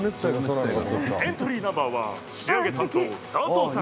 エントリーナンバー１仕上げ担当、佐藤さん。